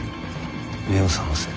目を覚ませ。